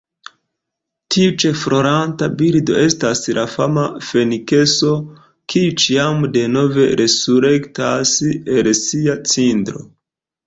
Tiu ĉefrolanta birdo estas la fama fenikso, kiu ĉiam denove resurektas el sia cindro.